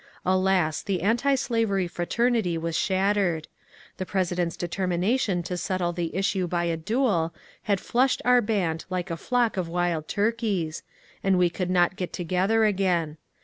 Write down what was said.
Alas, the antislavery fraternity was shattered. The President's de termination to settle the issue by a duel had flushed our band like a flock of wild turkeys, and we could not get together again.